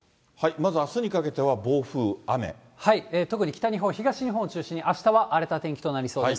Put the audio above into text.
まず、あすにかけては暴風、特に北日本、東日本を中心に、あしたは荒れた天気となりそうです。